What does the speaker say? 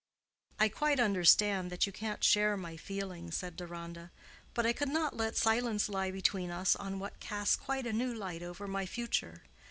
"I quite understand that you can't share my feeling," said Deronda; "but I could not let silence lie between us on what casts quite a new light over my future.